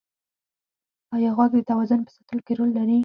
ایا غوږ د توازن په ساتلو کې رول لري؟